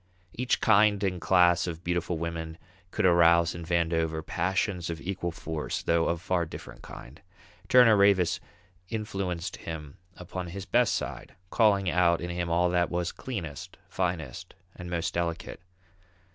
Each kind and class of beautiful women could arouse in Vandover passions of equal force, though of far different kind. Turner Ravis influenced him upon his best side, calling out in him all that was cleanest, finest, and most delicate.